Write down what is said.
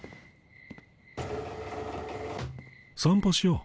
散歩しよう。